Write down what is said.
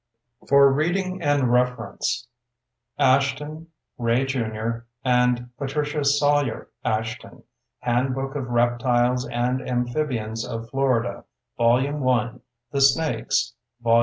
For Reading and Reference Ashton, Ray Jr., and Patricia Sawyer Ashton. Handbook of Reptiles and Amphibians of Florida. Vol. 1, The Snakes; Vol.